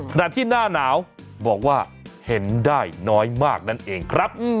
หน้าที่หน้าหนาวบอกว่าเห็นได้น้อยมากนั่นเองครับ